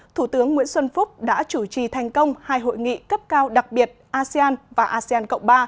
thủ tướng nguyễn xuân phúc đã chủ trì thành công hai hội nghị cấp cao đặc biệt asean và asean cộng ba